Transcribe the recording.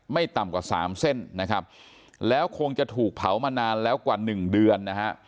ต่ำกว่าสามเส้นนะครับแล้วคงจะถูกเผามานานแล้วกว่าหนึ่งเดือนนะฮะ